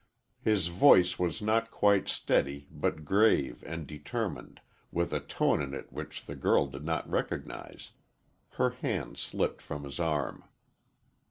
His voice was not quite steady, but grave and determined, with a tone in it which the girl did not recognize. Her hand slipped from his arm.